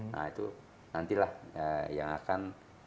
nah itu nantilah yang akan